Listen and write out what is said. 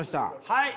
はい。